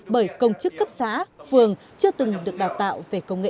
bởi công chức cấp xã phường chưa từng được đào tạo về công nghệ